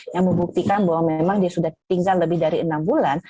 yang membuktikan bahwa memang dia sudah tinggal lebih dari enam bulan